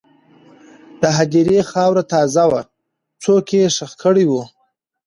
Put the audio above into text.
د هدیرې خاوره تازه وه، څوک یې ښخ کړي وو.